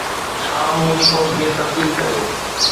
عام يونيڪوڊ کي تبديل ڪريو